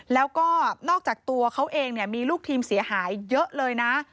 แล้วก็นอกจากตัวเขาเองมีลูกทีมเสียหายเยอะเลยนะ